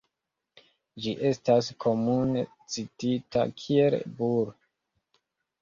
Ĝi estas komune citita kiel "Bull.